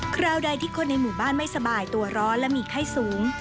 คราวใดที่คนในหมู่บ้านไม่สบายตัวร้อนและมีไข้สูง